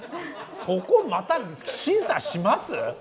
そこまた審査します？